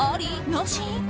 なし？